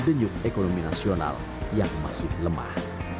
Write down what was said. denyum ekonomi nasional yang masih lemah